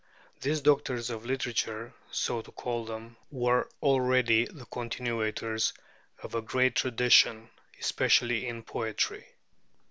These doctors of literature, so to call them, were already the continuators of a great tradition, especially in poetry.